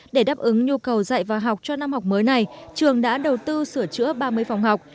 để đáp ứng nhu cầu dạy và học cho năm học mới này trường đã đầu tư sửa chữa ba mươi phòng học